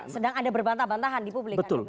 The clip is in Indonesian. sedang ada berbantah bantahan di publik